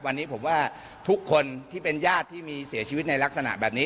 วันนี้ผมว่าทุกคนที่เป็นญาติที่มีเสียชีวิตในลักษณะแบบนี้